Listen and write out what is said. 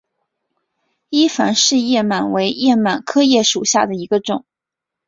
伊凡氏叶螨为叶螨科叶螨属下的一个种。